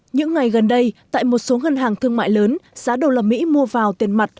những ngày gần đây tại một số ngân hàng thương mại lớn giá đô la mỹ mua vào tiền mặt